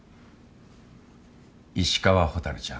石川蛍ちゃん